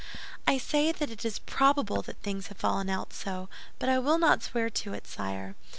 "I say that it is probable that things have fallen out so, but I will not swear to it, sire.